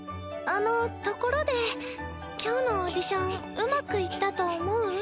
あのところで今日のオーディションうまくいったと思う？